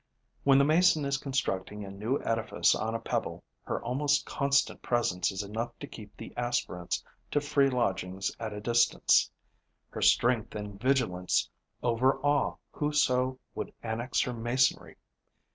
When the Mason is constructing a new edifice on a pebble, her almost constant presence is enough to keep the aspirants to free lodgings at a distance; her strength and vigilance overawe whoso would annex her masonry.